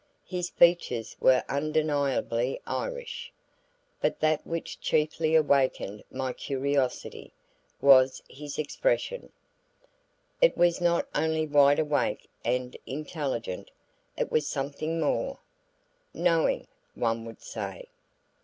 His features were undeniably Irish; but that which chiefly awakened my curiosity, was his expression. It was not only wide awake and intelligent; it was something more. "Knowing" one would say.